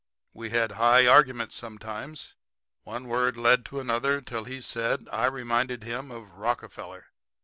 We had high arguments sometimes. One word led on to another till he said I reminded him of Rockefeller.